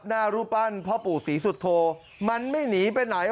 หน้ารูปปั้นเพราะปู่สีสุดโทมันไม่หนีไปไหน